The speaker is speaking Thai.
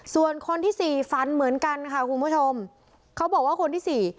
ส่วนคนที่สี่ฝันเหมือนกันค่ะคุณผู้ชมเขาบอกว่าคนที่สี่